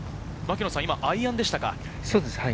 今、アイアンでしたか？